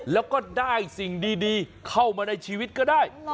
แล้วก็ได้สิ่งดีเข้ามาในชีวิตก็ได้